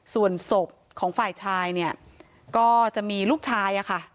ส่วนศพของฝ่ายชายก็จะมีลูกชาย